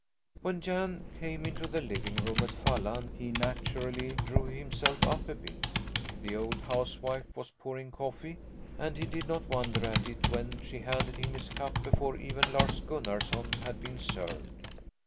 When Jan came into the living room at Falla he naturally drew himself up a bit. The old housewife was pouring coffee and he did not wonder at it when she handed him his cup before even Lars Gunnarson had been served.